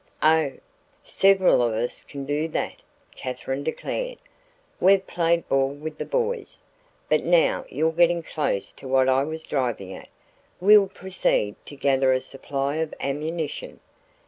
"Oh, several of us can do that," Katherine declared. "We've played ball with the boys. But now you're getting close to what I was driving at. We'll proceed to gather a supply of ammunition."